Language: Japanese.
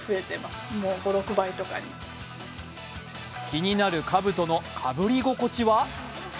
気になるかぶとのかぶり心地は？